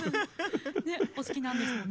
お好きなんですよね。